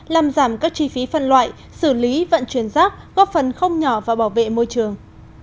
làm giảm các chi phí phân loại xử lý vận chuyển rác góp phần không nhỏ vào bảo vệ môi trường